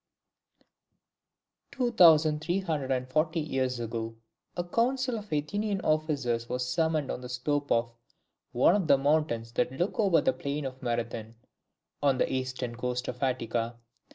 Two thousand three hundred and forty years ago, a council of Athenian officers was summoned on the slope of one of the mountains that look over the plain of Marathon, on the eastern coast of Attica.